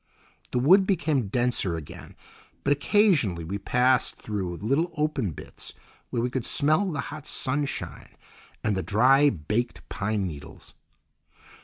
The wood became denser again, but occasionally we passed through little open bits where we could smell the hot sunshine and the dry, baked pine needles.